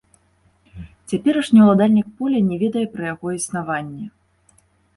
Цяперашні ўладальнік поля не ведае пра яго існаванне.